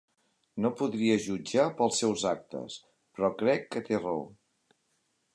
No podria jutjar pels seus actes, però crec que té raó.